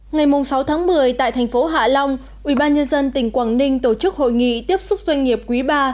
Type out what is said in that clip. ngày sáu tháng một mươi tại thành phố hạ long ubnd tỉnh quảng ninh tổ chức hội nghị tiếp xúc doanh nghiệp quý ba